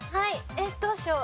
えっどうしよう？